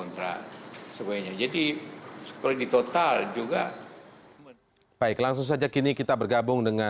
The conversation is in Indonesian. tidak perlu kontrol